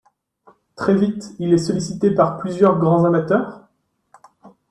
Très vite, il est sollicité par plusieurs grands amateurs.